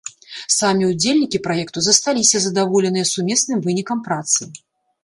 Самі ўдзельнікі праекту засталіся задаволеныя сумесным вынікам працы.